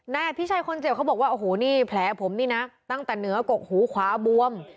นายอภิชัยคนเจ็บเขาบอกว่าโอ้โหนี่แผลผมนี่นะตั้งแต่เหนือกกหูขวาบวม